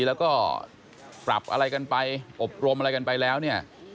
แล้วก็ปรับอะไรกันไปอบรมอะไรกันไปแล้วเนี่ย